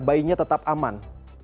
bayi nya tetap aman